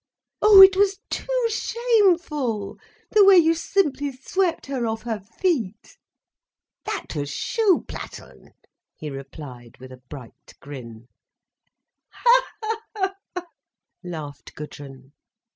"Oh, it was too shameful, the way you simply swept her off her feet." "That was Schuhplatteln," he replied, with a bright grin. "Ha—ha—ha!" laughed Gudrun.